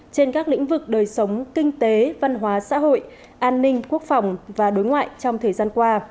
trên các lĩnh vực đời sống kinh tế văn hóa xã hội an ninh quốc phòng và đối ngoại trong thời gian qua